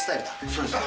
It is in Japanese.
そうですね。